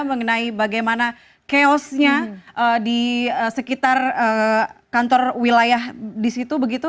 mengenai bagaimana chaosnya di sekitar kantor wilayah di situ begitu